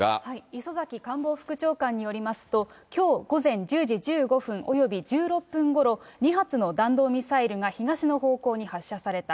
磯崎官房副長官によりますと、きょう午前１０時１５分、および１６分ごろ、２発の弾道ミサイルが東の方向に発射された。